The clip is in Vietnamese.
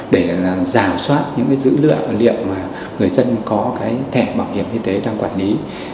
để rào soát những dữ liệu liệu mà người dân có thẻ bảo hiểm y tế đang quản lý